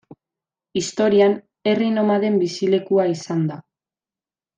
Historian, herri nomaden bizilekua izan da.